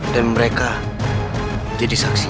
dan mereka jadi saksi